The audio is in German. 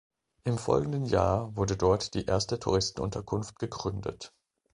Im folgenden Jahr wurde dort die erste Touristenunterkunft gegründet.